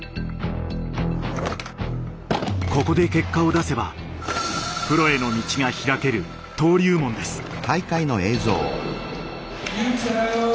ここで結果を出せばプロへの道が開ける登竜門です。